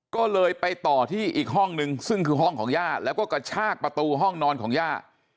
ก็เลยไปต่อที่อีกห้องนึงซึ่งคือห้องของย่าแล้วก็กระชากประตูห้องนอนของย่า